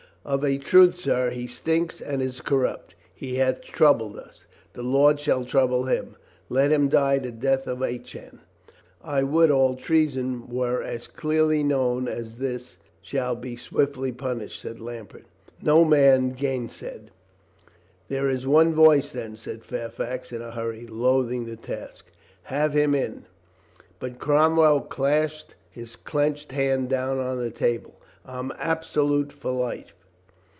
"Of a truth, sir, he stinks and is corrupt. He hath troubled us. The Lord shall trouble him. Let him die the death of Achan." "I would all treason were as clearly known as this shall be swiftly punished," said Lambert. No man gainsaid. "There is one voice, then," said Fairfax in a hurry, loathing the task. "Have him in !" But Cromwell clashed his clenched hand down on the table. "I'm absolute for life!"